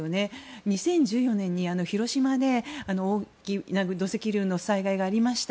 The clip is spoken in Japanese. ２０１４年に広島で大きな土石流の災害がありました。